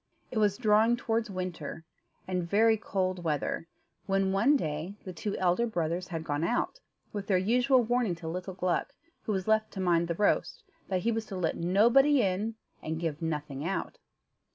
It was drawing towards winter, and very cold weather, when one day the two elder brothers had gone out, with their usual warning to little Gluck, who was left to mind the roast, that he was to let nobody in, and give nothing out.